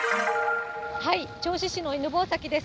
銚子市の犬吠埼です。